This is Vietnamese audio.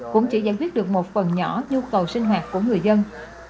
cũng chỉ giải quyết được một phần nhỏ nhu cầu sinh hoạt của người dân